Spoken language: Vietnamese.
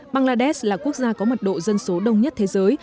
bangladesh là quốc gia có mật độ dân số đông nhất thế giới